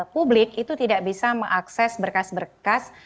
publik itu tidak bisa mengakses berkas berkas